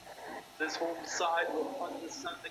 د هلکانو لیلیه بې پوښتني نه منل کیږي.